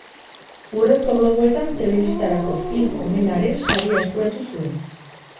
Urrezko globoetan telebistarako film omenaren saria eskuratu zuen.